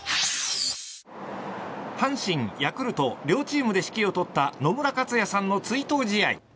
阪神、ヤクルト両チームで指揮を執った野村克也さんの追悼試合。